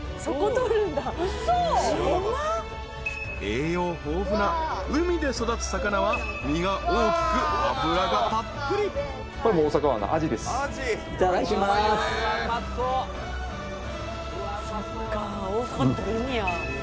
［栄養豊富な海で育つ魚は身が大きく脂がたっぷり］いただきます。